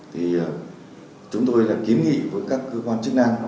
thì chúng tôi là kiếm nghị với các cơ quan chức năng